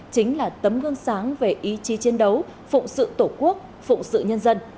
chính là tấm gương sáng về ý chí chiến đấu phụ sự tổ quốc phụ sự nhân dân